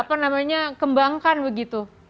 apa namanya kembangkan begitu